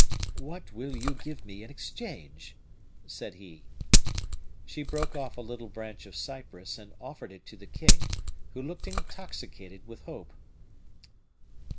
"What will you give me in exchange?" said he. She broke off a little branch of cypress and offered it to the king, who looked intoxicated with hope.